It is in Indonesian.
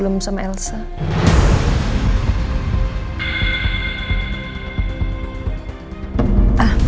aku pernah menikah sama siapa